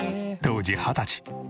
当時二十歳。